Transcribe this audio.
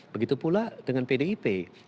begitu pula dengan pdip